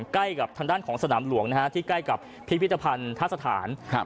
ใกล้กับทางด้านของสนามหลวงนะฮะที่ใกล้กับพิพิธภัณฑสถานครับ